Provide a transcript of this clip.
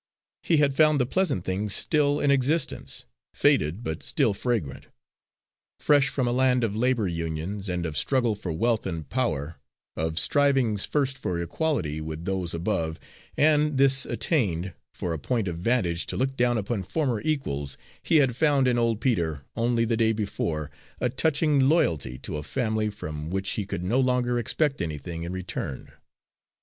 He had found the pleasant things still in existence, faded but still fragrant. Fresh from a land of labour unions, and of struggle for wealth and power, of strivings first for equality with those above, and, this attained, for a point of vantage to look down upon former equals, he had found in old Peter, only the day before, a touching loyalty to a family from which he could no longer expect anything in return.